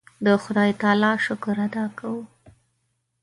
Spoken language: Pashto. د خدای تعالی شکر ادا کوو.